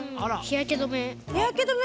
日焼け止め。